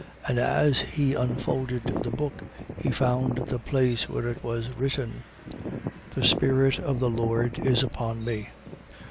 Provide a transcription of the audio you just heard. And as he unfolded the book, he found the place where it was written: 4:18. The spirit of the Lord is upon me.